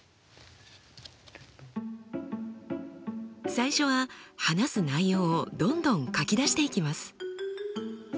最初は話す内容をどんどん書き出していきます。